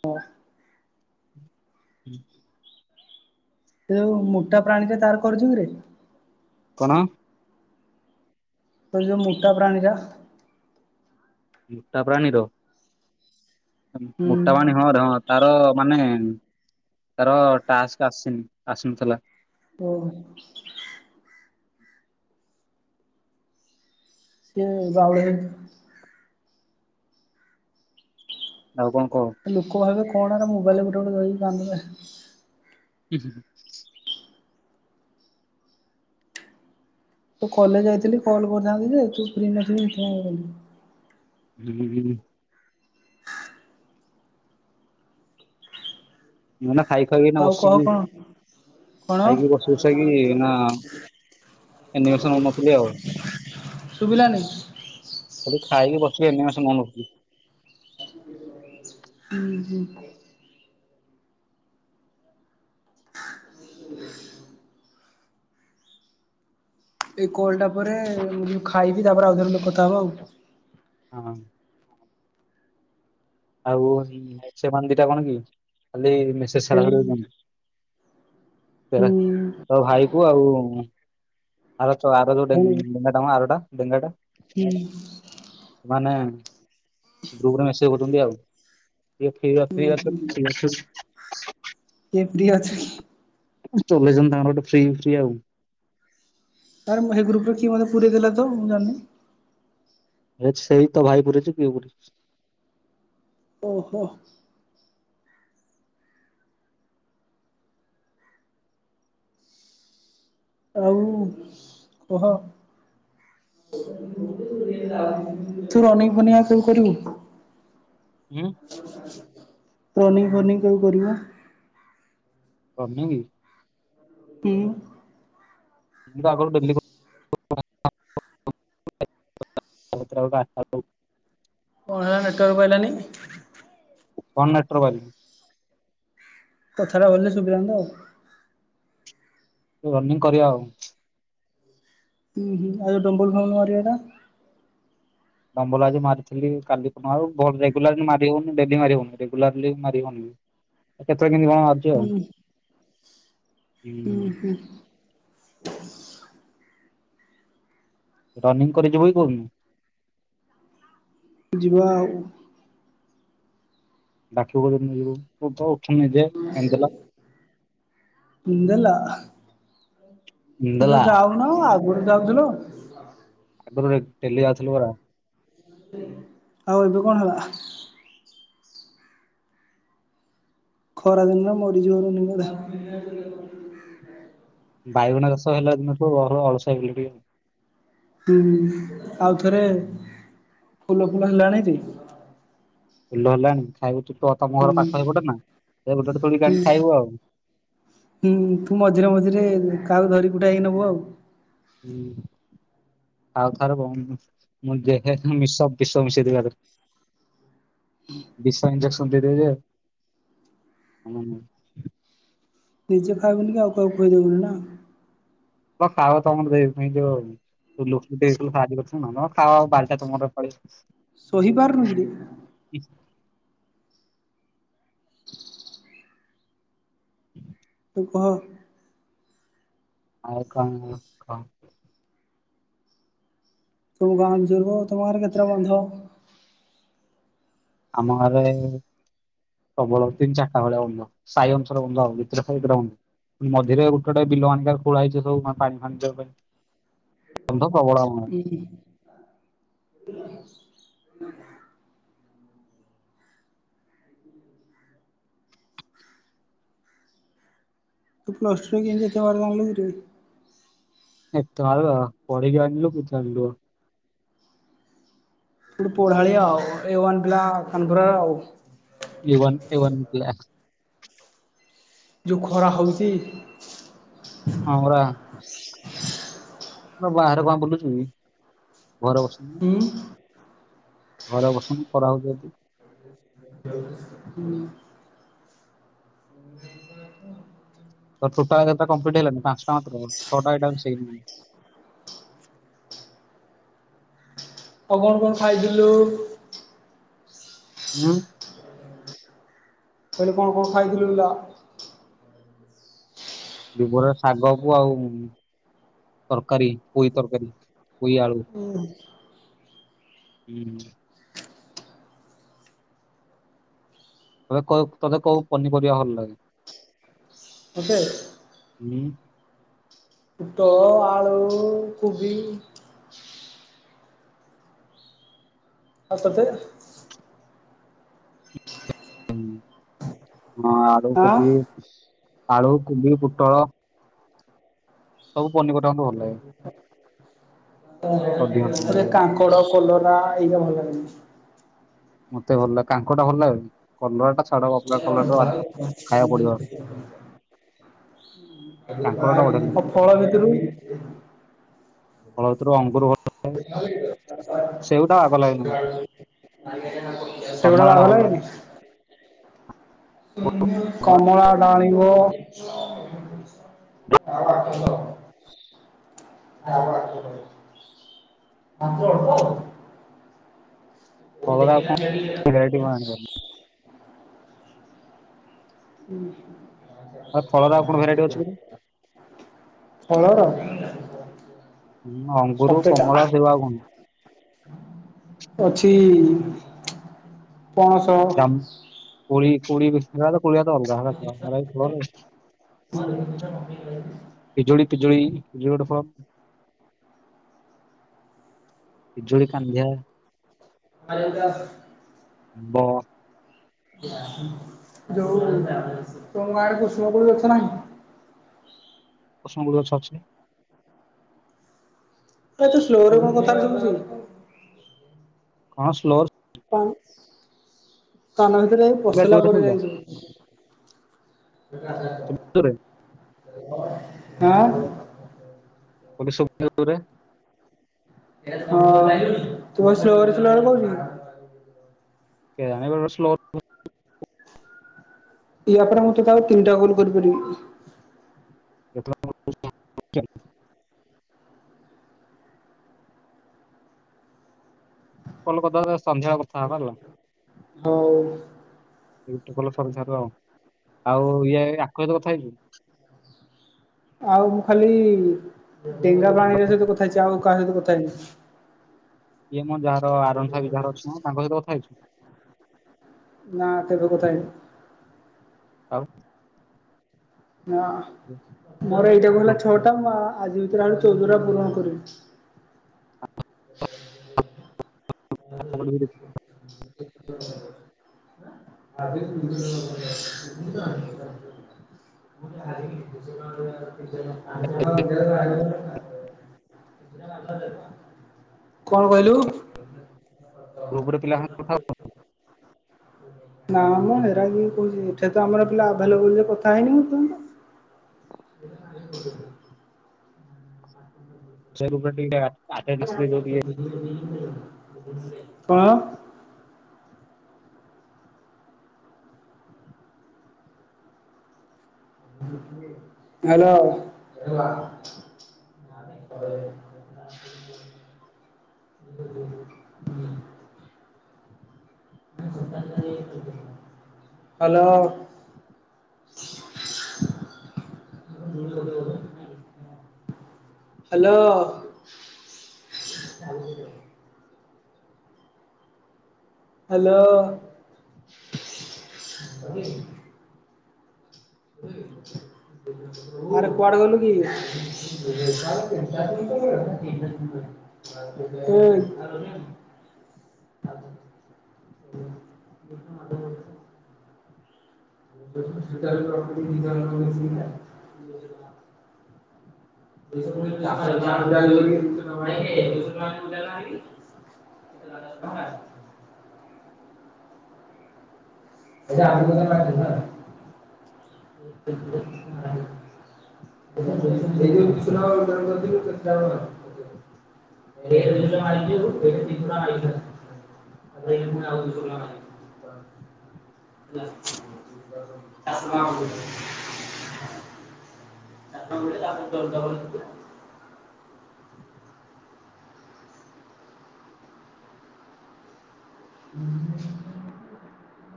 ହଁ। [inaudible] ଏ ଯଉ ମୋଟା ପ୍ରାଣୀଟା ତାର କରୁଚୁ କିରେ? କଣ? ତୋ ଯଉ ମୋଟା ପ୍ରାଣୀଟା? ମୋଟା ପ୍ରାଣୀର ହୁଁ ମୋଟା ପାଣୀ ହଁରେ ହଁ। ତାର ମାନେ ତାର ଟାସ୍କ ଆସିନି ଆସୁନଥିଲା। [inaudible] ଓ ସେ ଜାଉଳେ। ଆଉ କଣ କହ? ଲୋକ ଭାବେ କଣରେ ମୋବାଇଲ ଗୋଟେ ଗୋଟେ ଧରି କାନ୍ଧବେ। [unintelligible] ତୁ କଲେଜ ଯାଇଥିଲି କଲ୍ କରିଥାନ୍ତି ଯେ ତୁ ଫ୍ରି ନଥିଲୁ ଏଥିପାଇଁ ଆଉ କଲିନି। [unintelligible] ମଲା। ଖାଇ ଖଇକି ନା ଆଉ କହ ବସିକି କଣ କଣ ଖାଇକି ବସି ବସେଇକି ନା ଏନିବସନ ନଉନଥିଲି ଆଉ। ଶୁଭିଲାନି? ଖଲି ଖାଇକି ବସି ଏମାନ ସ ମନ୍ କୁ। ହୁଁ ହୁଁ। [inaudible] ଏଇ କଲଟା ପରେ ମୁଁ ଖାଇବି ତାପରେ ଅଧେଘଣ୍ଟା କଥା ହେବା ଆଉ। ହଁ। ଆଉ ସେମାନେ ଦିଟା କଣ କି ଖାଲି ମେସେଜ ହୁଁ ଛଡା ଛୁଡି ହେଉଛ [unintelligible] ତ ଭାଇକୁ ଆଉ। [unintelligible] ଆର ହୁଁ ଯୋଉ ଆରଟା ଡେଙ୍ଗାଟା କିଏ ମାନେ କହୁଛନ୍ତି ଆଉ ଯେଉ ଫ୍ରି। [inaudible] କିଏ ଫ୍ରି ଅଛ କି? ଚଲେଇଚନ୍ତି ତାଙ୍କର ଗୋଟେ ଫ୍ରି ଫ୍ରି ଆଉ। ସାର ମୁଁ ହେଇ ଗ୍ରୁପରେ କିଏ ମତେ ପୁରେଇ ଦେଲେ ତ ମୁଁ ଜାନନି। ଆରେ ସେଇ ତ ଭାଇ ପୁରେଇଚି କିଏ ପୁରେଇଚି। ଓହୋ। ଆଉ କହ। ତୁ ରାନିକ ଫନିକ ଆ ତୁ କରିବୁ? ରନିକ ପନିକ କେବେ କରିବ? ପନିଗି। କି? [inaudible] [inaudible] କଣ ହେଲା ନେଟୱାର୍କ ପାଇଲାଣିି? ଫନ ନେଟ ବାର ବାଲି। କଥାଟା ଭଲେକି ସୁଵିଲାନି ତ ଆଉ। ରନିଂ କରିବା ଆଉ। ହୁ ହୁ ଆଉ ଡମ୍ବଲ [unintelligible] ମରିବାଟା। ଦମ୍ବଲ ଆଜି ମାରିଥିଲି କାଲି କ ଆଉ ରେଗୁଲାରଲି ମାରି ହଉନି ଡେଲି ମାରି ହଉନି ରେଗୁଲାରଲି ମାରିଉନି। ଆଉ କେତେବେଳେ କେମତି ମାରୁଚି ଆଉ ହୁଁ ହଁ। ହୁଁ ହୁଁ ରନିଂ କରିଯିବୁ ବି କହୁନି? ଯିବା ଆଉ। ଡାକିବି କୋଉଦିନ ଯିବୁ ତୁତ ଉଠୂନୁ ନିଜେ ଏଣି ଦେଲା। ନ୍ଦଲା ତୁ ଏନ୍ଦେଲା ତ ଯାଅନୁ ଆ ଆଗୁରୁ ଯାଉଥିଲୁ। ଆଗରୁ ଡେଲି ଯାଉଥିଲୁ ପରା। ଆଉ ଏବେ କଣ ହେଲା? ଖରା ଦିନ ନା ମୋଡ଼ି ଜୋ। [unintelligible] ବାଇଗଣ ଚାଷ ହେଲା ଦିନଠୁ ଘର ଅଳସ। [unintelligible] ହୁଁ ଆଉ ଥରେ ଫୁଲ ଫୁଲ ହେଲାଣି କି? ଫଲ ହେଲାଣି ଖାଇବୁୁ ତ ତମ ଘର ପାଖ ହେଇପଟେ ନା ଏଇ ଗୋଟେ ଗୋଟେ ତୋଳିକି ହୁଁ। ଆଣିକି ଖାଇବୁ ଆଉ। ହୁଁ ତୁ ମଝିରେ ମଝିରେ କାହା ଧରିକୁଟା ହେଇ ନବୁ ଆଉ। ହୁଁ। ଆଉଥର ମୁଁ [unintelligible] ମିସେଇ ଦବା କଥା। ବିଶ ଇଜେକ୍ସନ ଦେଇ ଦେବି ଯେ ନିଜେ ଖାଇବନି କି ଆଉ କହାକୁ ଖୋଇ ଦବୁନି ନା। [unintelligible] ହଁ ବାରିଟା ତମର ଫଳି ସହିପାରୁନୁ କିରେ। ହୁଁ ତୁ କହ। ଆଉ କଣ କହ। ତୁମ ଗାଁ [unintelligible] ତମ ଗାଁ ରେ କେତେଟା ବନ୍ଧ? ଆମ ଘରେ। ପ୍ରବଳ ତିନି ଚାରିଟା ଭଳିଆ ବନ୍ଧ ସାଇ ଅନୁସାର ବନ୍ଧ ଯେତିଟା ସାଇ ହେତିଟା ବନ୍ଧ। ମଝିରେ ଗୋଟେ ଗୋଟେ ବିଲ ଆଣ ଖୋଳା ହେଇଛି ସବୁ ମାନେ ପାଣି ଫାଣିି ଯିବା ପାଇଁ ବନ୍ଧ। ପ୍ରବଳ ଆମର। ହୁଁ। ଆ [unintelligible] [unintelligible] ପଢାଳି ଆଉ ଏ ୱାାନ ପିଲା କାନପୁର ଆଉ ଏ ୱାନ କେ ୱାନ ପିଲା ଯଉ ଖରା ହଉଛି। ହଁରା। ବାହାରେ କଣ ବୁଲୁଛୁ ଘରେ ବସୁନୁ। ହୁଁ ଘରେବସୁନୁ ଖରାହଉଛି ଯଦି। [inaudible] ତ ଟୋଟା କେତା କମ୍ପିଟ ହେଇଲାନି ପାଞ୍ଚଟା ମାତ୍ର ଛଅଟା ଏଇଟା ମିଶେଇ କିରି। ଆଉ କଣ କଣ ଖାଇଥିଲୁ? ଊଁ। କହିଲେ କଣ କଣ ଖାଇଥିଲୁ? ଲା। ଦିପହରେ ଶାଗ କୁ ଆଉ ତରକାରୀ ପୋଇ ତରକାରୀ। ପୋଇ ଆଳୁ ହୁଁ। ହୁଁ। ତ କଉ ତତେ କଉ ପନିପରିବା ଭଲ ଲାଗେ? ମତେ? ହଁୁ ପୁଟଳ ଆଳୁ କୋବି ଆଉ ତତେ? ହଁ ଆଳୁ ଆଁ କୋବି। ଆଳୁ କୋବି ପୋଟଳ ସବୁ ପନିପରିବା ମତେ ଭଲ ଲାଗେ [inaudible] କାଙ୍କଡ ଅଧିକାଂଶ କଲରା ପନିପରିବା। ଏଇଟା ଭଲ ଲାଗେନି। ମତେ ଭଲ ଲାଗେ କାଙ୍କଡଟା ଭଲ ଲାଗେନି କଲରା ଟା ଛାଡ [inaudible] ବାପା କଲରା [inaudible] ଟା ଖାଇବାକୁ ପଡିବ କାଙ୍କଡ ଟା ବଢିଆ ଲାଗେ ଆଉ ଫଳ ଭିତରୁ? ଫଳ ଭିତୁରୁ ଅଙ୍ଗୁରୁ [unintelligible] [inaudible] ବାଗ ଲାଗେନି ମତେ ସେଗୁଡ଼ା କମଳା ଟା ବାଗ ଭଲ ଲାଗେ। ଲାଗେନି? କମଳା ଡାଳିମ୍ବ [inaudible] [unintelligible] ଫଳରେ ଆଉ କଣ ଭେରାଇଟି କଣ ଆଣିବ [inaudible] ହୁଁ। ଆଉ ଫଳରେ ଆଉ କଣ ଭେରାଇଟି [inaudible] ଅଛି କି? ଫଳର। ଅଙ୍ଗୁରୁ ସଫେଟା କମଳା ସେଉ ଆଉ କଣ? ଅଛି। ପଣସ। ଜାମ୍ କୋଳି କୋଳି ବେଶୀ ସେରା କୋଳି ଅଲଗା ଇ ପିଜୁଳି ପିଜୁଳି। ପିଜୁଳି ଗୋଟେ ଫଳ ପିଜୁଳି କାନ୍ଧିଆ। [unintelligible] ଆମ୍ବ। ଯୋ ତମ ଗାଁ ରେ କୁସୁମ କୋଳି ଗଛ ନାହିଁ। କୁସୁମ କୋଳି ଗଛ ଅଛି। ଏତେ ସ୍ଲୋରେ କଣ କଥା ଶୁଭୁଚି। କଣ ସ୍ଲୋ ହଁ। କାନ ଭିତରେ ଯାଇଁ ଶୁଭିଲା ପସିଲା ଜୋରେ ପରେ ଶୁଭିଲା ଯାଇ ଶୁଭୁଛି। ଶୁଭିଲା ଜୋରେ ଆଁ। [unintelligible] ଦୂରେ। ହଁ [unintelligible] ସ୍ଲୋର ସ୍ଲୋର କହୁଛୁ କି? କେଜାଣି ବେଳେବେଳେ ସ୍ଲୋ [inaudible] ୟାପରେ ମୁଁ ତତେ ଆଉ ତିନଟା କଲ କରିପାରିବି। [inaudible] କଲ୍ କରଦବା ତାପରେ ସନ୍ଧ୍ୟାବେଳେ କଥା ହେବା ଆଉ। ହଉ। ଏଇ ଗୋଟେ କଲ ସରୁ ସାର ଆଉ ଇଏ ଆଙ୍କ ସହିତ କଥା ହେଇଛୁ। ଆଉ ମୁଁ ଖାଲି ଡେଙ୍ଗା ପାଣୀର ସହିତ କଥା ହେଇଛି ଆଉ କାହା ସହିତ କଥା ହେଇନି। ଇଏ ମୋ ଯାହାର ଆରନ୍ ଫାଇଫ ବି ଯାହାର ଅଛି ତାଙ୍କ ସହିତ କଥା ହେଇଛୁ? ନା କେବେ କଥା ହେଇନି। ଆଉ? ନା ମୋର ଏଇଟାକୁ ହେଲା ଛଅଟା ମା ଆଜି ଭିତରେ ଆହୁରି ଚଉଦଟା ପୂରଣ କରିବି। [unintelligible] [inaudible] ଆଜି [unintelligible] [inaudible] କଣ କହିଲୁ? ଗ୍ରୁପରେ ପିଲାଙ୍କ ସାଙ୍ଗରେ କଥା ହେଉନୁ। ନା ମ ହେରା କିଏ କରୁଛି ଉଠେଇ ତ ଆମର ପିଲା ଆଭେଲେବଲ ଯେ କଥା ହେଇନି ମୁଁ ତ [inaudible] ସେ ଗ୍ରୁପରେ ଟିକେ ଆ କଣ? ହ୍ୟାଲୋ? [unintelligible] ଆ [inaudible] [inaudible] ହୁଁ ହ୍ୟାଲୋ? ଆ [inaudible] [unintelligible] ଆ [inaudible] ହ୍ୟାଲୋ। ହ୍ୟାଲୋ। ଆରେ କୁଆଡେ ଗଲୁ କି? ହୋଇ। [unintelligible] ଆ [inaudible] [unintelligible] [unintelligible] [unintelligible] [unintelligible] [unintelligible] [unintelligible] ଏଇ ଦି ଟଙ୍କା ଆଇଚି ଯୋଉ, ଏଇ ଦି ଟଙ୍କା ଆଇଚି ବା। [unintelligible] [unintelligible] ଆ [unintelligible] ହୁଁ [unintelligible]